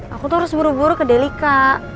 aku tuh harus buru buru ke delika